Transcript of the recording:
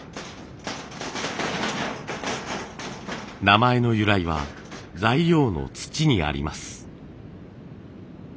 名前の由来は材料の土にあります。